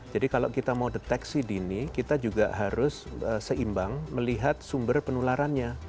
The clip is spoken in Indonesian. kalau kita mau deteksi dini kita juga harus seimbang melihat sumber penularannya